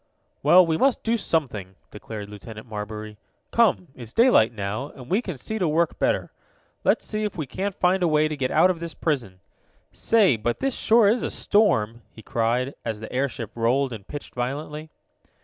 "Well, we must do something," declared Lieutenant Marbury. "Come, it's daylight now, and we can see to work better. Let's see if we can't find a way to get out of this prison. Say, but this sure is a storm!" he cried, as the airship rolled and pitched violently.